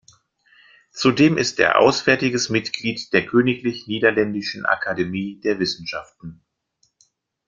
Zudem ist er Auswärtiges Mitglied der Königlich-Niederländischen Akademie der Wissenschaften.